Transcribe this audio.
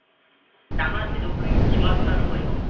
黙ってどっか行っちまったのもよ